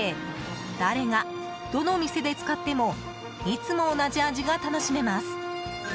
誰が、どの店で使ってもいつも同じ味が楽しめます。